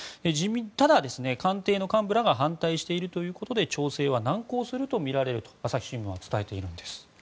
ただ官邸幹部らが反対しているということで調整は難航するとみられると朝日新聞は伝えています。